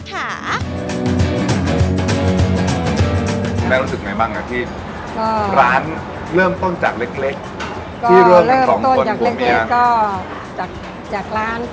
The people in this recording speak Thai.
แมครู้สึกเป็นไงบ้างที่ร้านเริ่มต้นจากเล็ก